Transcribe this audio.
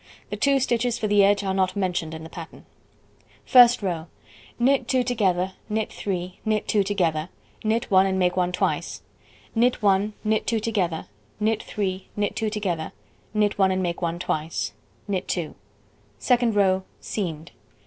The 2 stitches for the edge are not mentioned in the pattern. First row: Knit 2 together, knit 3, knit 2 together (knit 1 and make 1 twice), knit 1, knit 2 together, knit 3, knit 2 together (knit 1 and make 1 twice), knit 2. Second row: Seamed.